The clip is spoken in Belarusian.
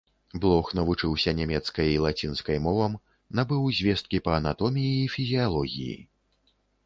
Блох навучыўся нямецкай і лацінскай мовам, набыў звесткі па анатоміі і фізіялогіі.